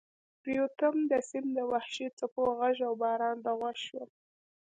پرېوتم، د سیند د وحشي څپو غږ او باران ته غوږ شوم.